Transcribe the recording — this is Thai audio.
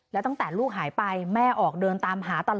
แล้วตั้งแต่ลูกหายไปแม่ออกเดินตามหาตลอด